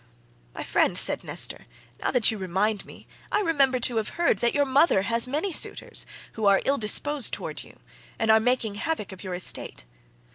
"My friend," said Nestor, "now that you remind me, I remember to have heard that your mother has many suitors, who are ill disposed towards you and are making havoc of your estate.